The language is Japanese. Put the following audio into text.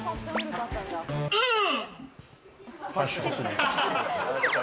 うん。